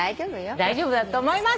大丈夫だと思います。